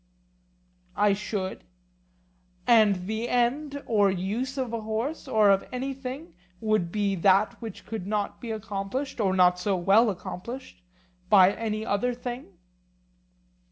I should. And the end or use of a horse or of anything would be that which could not be accomplished, or not so well accomplished, by any other thing?